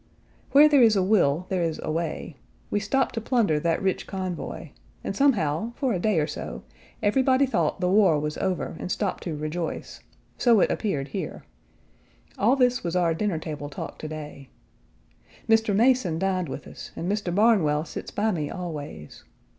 Where there is a will there is a way. We stopped to plunder that rich convoy, and somehow, for a day or so, everybody thought the war was over and stopped to rejoice: so it appeared here. All this was our dinner table talk to day. Mr. Mason dined with us and Mr. Barnwell sits by me always.